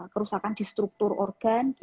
kerusakan di struktur organ